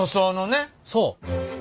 そう。